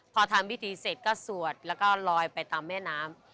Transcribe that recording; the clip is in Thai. พอทำพิธีเสร็จก็สวดแล้วก็ลอยไปตามแม่น้ำ